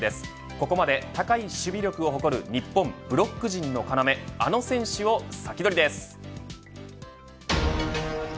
ここまで高い守備力を誇る日本ブロック陣の要あの選手をサキドリです。